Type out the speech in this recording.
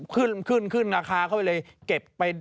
ขึ้นราคาเขาเลยเก็บไป